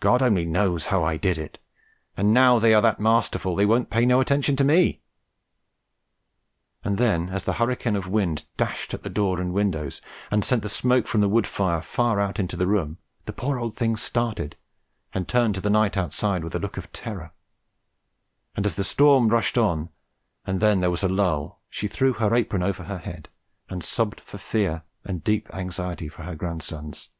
God only knows how I did it, and now they are that masterful they won't pay no attention to me." And then, as a hurricane of wind dashed at the door and windows and sent the smoke from the wood fire far out into the room, the poor old thing started and turned to the night outside with a look of terror; and, as the storm rushed on, and then there was a lull, she threw her apron over her head and sobbed for fear and deep anxiety for her grandsons.